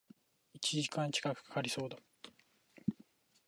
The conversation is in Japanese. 一時間近く掛かりそうだ